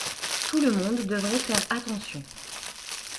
Tout le monde devrait faire attention.